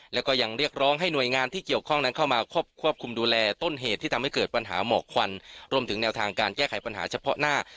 แล้วก็ยังเรียกร้องให้หน่วยงานที่เกี่ยวข้องนั้นเข้ามาควบคุมดูแลต้นเหตุที่ทำให้เกิดปัญหาหมอกควันรวมถึงแนวทางการแก้ไขปัญหาเฉพาะหน้า